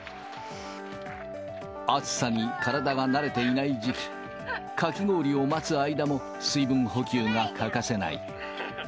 暑さに体が慣れていない時期、かき氷を待つ間も、水分補給が欠かせない。